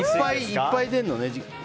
いっぱい出るのね。